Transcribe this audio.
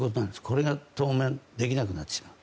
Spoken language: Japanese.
これが当面できなくなってしまう。